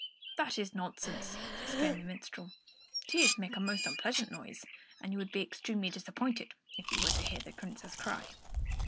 "That is nonsense!" exclaimed the minstrel. "Tears make a most unpleasant sound, and you would be extremely disappointed if you were to hear the Princess cry."